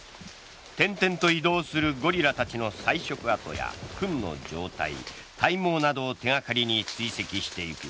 転々と移動するゴリラたちの採食跡やふんの状態、体毛などを手がかりに追跡していく。